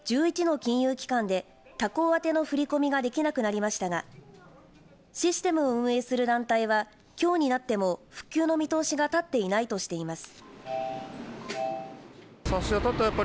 この影響で１１の金融機関で他行宛ての振り込みができなくなりましたがシステムを運営する団体はきょうになっても復旧の見通しが立っていないとしています。